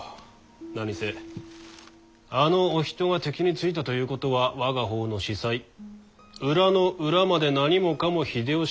何せあのお人が敵についたということは我が方の子細裏の裏まで何もかも秀吉に渡ったと見るべきでござる。